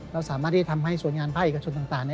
เราสามารถที่จะทำให้ส่วนงานภาคเอกชนต่าง